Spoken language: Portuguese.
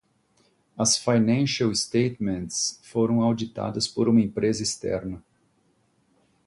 As financial statements foram auditadas por uma empresa externa.